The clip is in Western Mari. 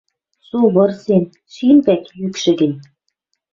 Со вырсен, шин вӓк, йӱкшӹ гӹнь.